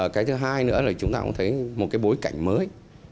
cái thứ hai nữa là chúng ta cũng thấy một cái bối cảnh mới